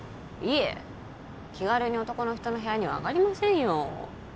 いえ気軽に男の人の部屋には上がりませんよ